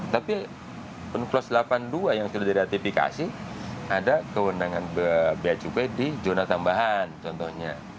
tapi pen klos delapan puluh dua yang sudah didatifikasi ada kewenangan bea cukai di zona tambahan contohnya